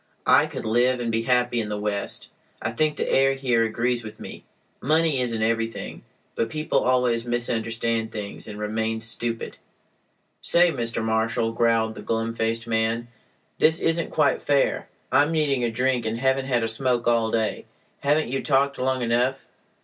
I could live and be happy in the West. I think the air here agrees with me. Money isn't everything. But people always misunderstand things and remain stupid—" "Say, Mr. Marshal," growled the glum faced man. "This isn't quite fair. I'm needing a drink, and haven't had a smoke all day. Haven't you talked long enough?